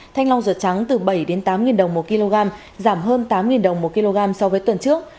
thanh long ruột trắng từ bảy tám đồng một kg giảm hơn tám đồng một kg so với tuần trước